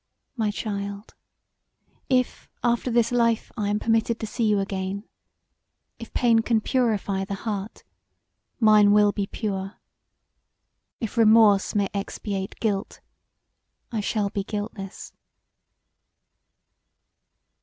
My child, if after this life I am permitted to see you again, if pain can purify the heart, mine will be pure: if remorse may expiate guilt, I shall be guiltless.